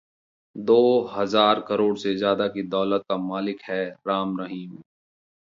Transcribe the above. दो हजार करोड़ से ज्यादा की दौलत का मालिक है राम रहीम